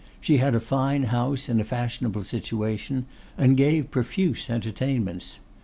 She had a fine house in a fashionable situation, and gave profuse entertainments.